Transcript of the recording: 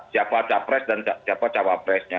siapa capres dan siapa cawapresnya